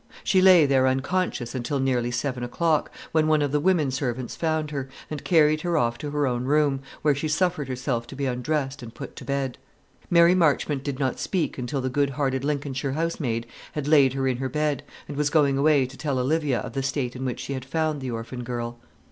She lay there unconscious until nearly seven o'clock, when one of the women servants found her, and carried her off to her own room, where she suffered herself to be undressed and put to bed. Mary Marchmont did not speak until the good hearted Lincolnshire housemaid had laid her in her bed, and was going away to tell Olivia of the state in which she had found the orphan girl.